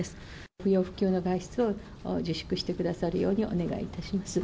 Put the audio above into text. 不要不急の外出を自粛してくださるようにお願いいたします。